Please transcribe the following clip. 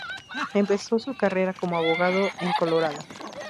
Empezó su carrera como abogado en Colorado.